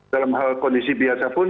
dalam hal kondisi biasa pun